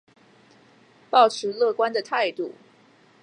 抱持乐观的态度